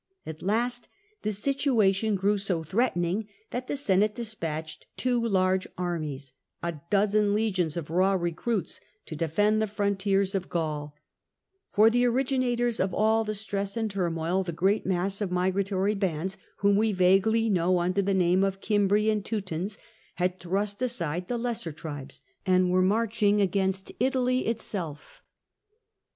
At last the situation grew so threatening that the Senate despatched two large armies — a dozen legions of raw recruits — to defend the frontiers of GauL For the originators of all the stress and turmoil, the great mass of migratory bands whom we vaguely know under the name of the Cimbri and Teutons, had thrust aside the lesser tribes and were marching against Italy itself.